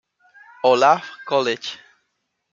Olaf College.